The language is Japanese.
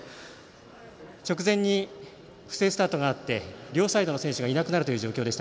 直前に不正スタートがあって両サイドの選手がいなくなりました。